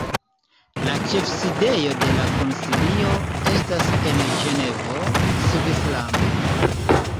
La ĉefsidejo de la Konsilio estas en Ĝenevo, Svislando.